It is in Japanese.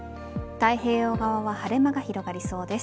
太平洋側は晴れ間が広がりそうです。